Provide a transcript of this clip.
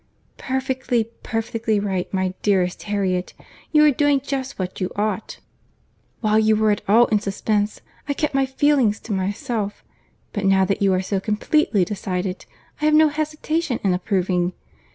"Perfectly, perfectly right, my dearest Harriet; you are doing just what you ought. While you were at all in suspense I kept my feelings to myself, but now that you are so completely decided I have no hesitation in approving.